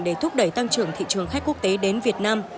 để thúc đẩy tăng trưởng thị trường khách quốc tế đến việt nam